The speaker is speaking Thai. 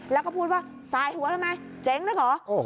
แล้วก็พูดว่าสายหัวทำไมเจ๋งด้วยเหรอ